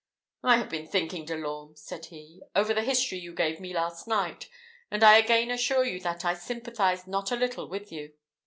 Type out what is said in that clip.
"I have been thinking, De l'Orme," said he, "over the history you gave me last night, and I again assure you that I sympathize not a little with you.